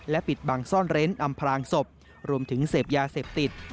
ปิดบังซ่อนเร้นอำพลางศพรวมถึงเสพยาเสพติด